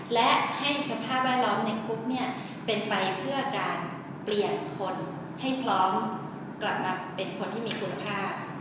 และให้สภาพแวดล้อมในคุกเนี่ยเป็นไปเพื่อการเปลี่ยนคนให้พร้อมกลับมาเป็นคนที่มีคุณภาพ